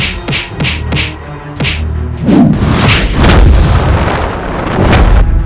untuk kira atau menghentai